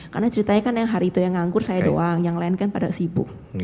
karena ceritanya kan yang hari itu yang ngangkur saya doang yang lain kan pada sibuk